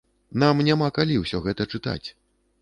Нам няма калі ўсё гэта чытаць.